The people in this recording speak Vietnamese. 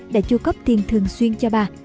đã chu cấp tiền thường xuyên cho bà